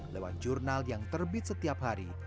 lewat jurnal yang terbit setiap hari